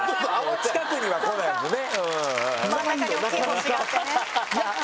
真ん中に大きい星があってね。